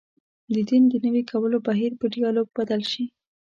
د دین د نوي کولو بهیر په ډیالوګ بدل شي.